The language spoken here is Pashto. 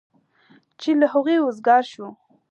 چې له هغوی وزګار شو.